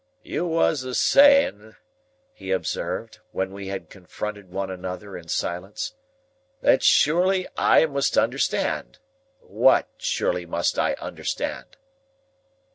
"You was a saying," he observed, when we had confronted one another in silence, "that surely I must understand. What, surely must I understand?"